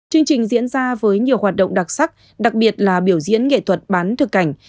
chương trình diễn ra với nhiều hoạt động đặc sắc đặc biệt là biểu diễn nghệ thuật bán thực cảnh